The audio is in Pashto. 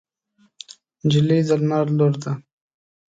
نجلۍ د لمر لور ده.